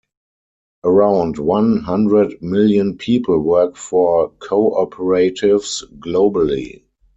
Around one hundred million people work for co-operatives globally.